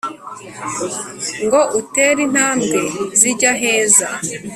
ngo utere intambwe zijya aheza,